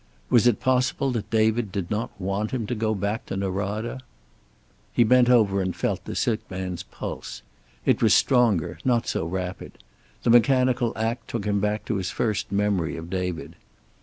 Was it possible that David did not want him to go back to Norada? He bent over and felt the sick man's pulse. It was stronger, not so rapid. The mechanical act took him back to his first memory of David.